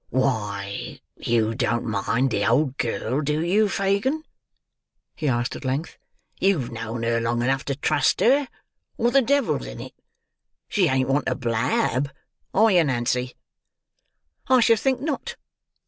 "Why, you don't mind the old girl, do you, Fagin?" he asked at length. "You've known her long enough to trust her, or the Devil's in it. She ain't one to blab. Are you Nancy?" "I should think not!"